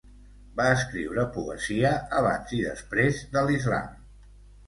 Va escriure poesia abans i després de l'islam.